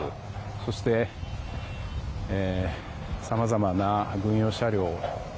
そして、さまざまな軍用車両。